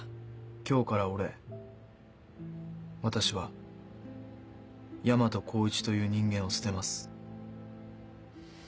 今日から俺私は大和耕一という人間を捨てます